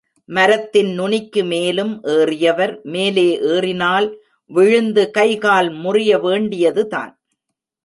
மரத்தின் நுனிக்கு மேலும் ஏறியவர் மேலே ஏறினால் விழுந்து கை கால் முரிய வேண்டியதுதான்.